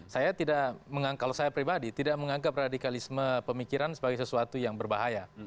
saya tidak kalau saya pribadi tidak menganggap radikalisme pemikiran sebagai sesuatu yang berbahaya